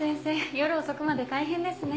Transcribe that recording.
夜遅くまで大変ですね。